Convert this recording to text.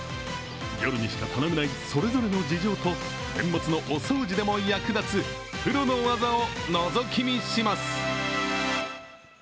夜にしか頼めないそれぞれの事情と年末のお掃除でも役立つプロの技をのぞき見します。